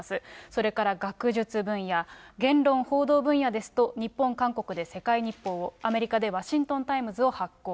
それから学術分野、言論・報道分野ですと日本、韓国で世界日報を、アメリカでワシントン・タイムズを発行。